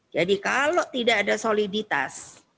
jadi kalau tidak ada soliditas